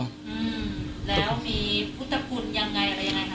อืมแล้วมีพุทธคุณยังไงอะไรยังไงคะ